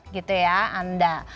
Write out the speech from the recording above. gitu ya anda